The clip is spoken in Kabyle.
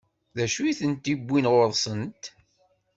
D acu i tent-iwwin ɣur-sent?